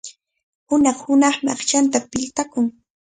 Hunaq-hunaqmi aqchanta piltakun.